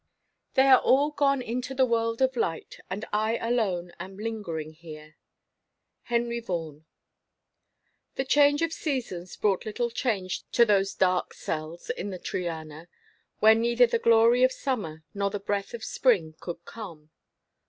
"They are all gone into a world of light. And I alone am lingering here." Henry Vaughan. The change of seasons brought little change to those dark cells in the Triana, where neither the glory of summer nor the breath of spring could come.